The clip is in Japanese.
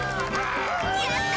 やった！